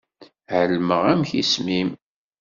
Ԑelmeɣ amek isem-im.